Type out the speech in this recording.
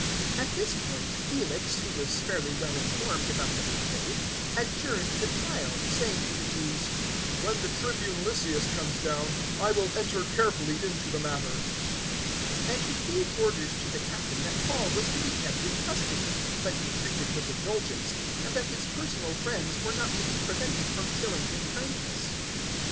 '" 024:022 At this point Felix, who was fairly well informed about the new faith, adjourned the trial, saying to the Jews, "When the Tribune Lysias comes down, I will enter carefully into the matter." 024:023 And he gave orders to the Captain that Paul was to be kept in custody, but be treated with indulgence, and that his personal friends were not to be prevented from showing him kindness.